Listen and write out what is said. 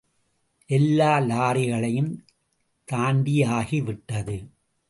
எல்லா லாரிகளையும் தாண்டியாகி விட்டது.